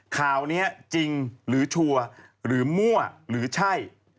ข่าวนี้จริงหรือชัวร์หรือมั่วหรือใช่